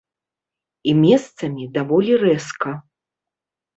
І месцамі даволі рэзка.